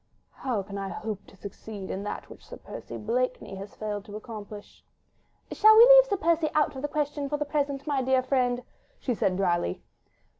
"How can I hope to succeed in that which Sir Percy Blakeney has failed to accomplish?" "Shall we leave Sir Percy out of the question for the present, my dear friend?" she said drily.